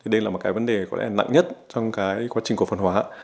đây là một cái vấn đề có lẽ nặng nhất trong quá trình cổ phân hóa